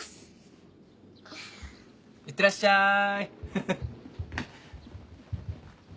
いってらっしゃい。